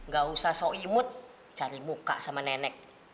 gak usah so imut cari muka sama nenek